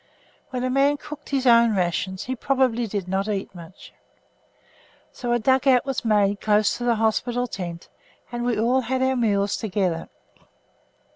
When a man cooked his own rations he probably did not eat much. So a dug out was made close to the hospital tent, and we all had our meals together.